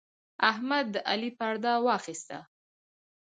احمد د علي پرده واخيسته.